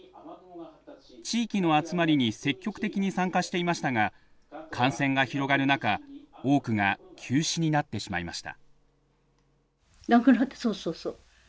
地域の集まりに積極的に参加していましたが感染が広がる中多くが休止になってしまいました。